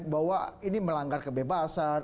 bahwa ini melanggar kebebasan